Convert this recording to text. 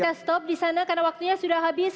kita stop disana karena waktunya sudah habis